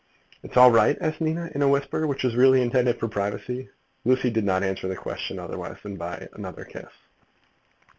"It's all right?" asked Nina in a whisper which was really intended for privacy. Lucy did not answer the question otherwise than by another kiss.